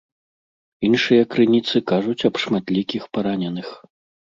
Іншыя крыніцы кажуць аб шматлікіх параненых.